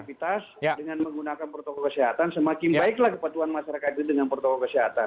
aktivitas dengan menggunakan protokol kesehatan semakin baiklah kepatuhan masyarakat itu dengan protokol kesehatan